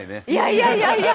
いやいやいや！